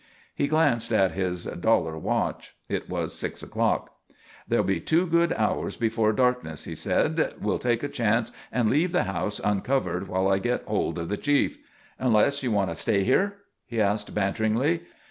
He glanced at his dollar watch. It was six o'clock. "There'll be two good hours before darkness," he said. "We'll take a chance and leave the house uncovered while I get hold of the chief. Unless you want to stay here?" he asked banteringly.